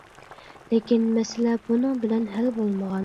لېكىن، مەسىلە بۇنىڭ بىلەن ھەل بولمىغان.